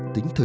tính thời sự